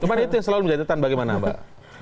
cuma itu yang selalu menjelitkan bagaimana mbak